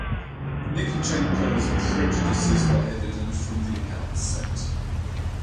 Nikitchenko's prejudices were evident from the outset.